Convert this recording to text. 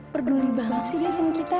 perdui banget sih gini kita